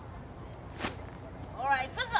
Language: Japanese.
ほら行くぞ！